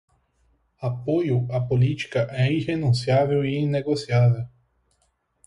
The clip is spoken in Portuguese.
Apoio à política é irrenunciável e inegociável